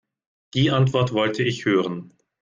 Die Antwort wollte ich hören.